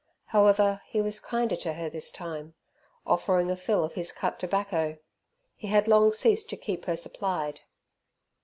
However he was kinder to her this time, offering a fill of his cut tobacco; he had long ceased to keep her supplied.